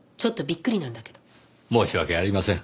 申し訳ありません。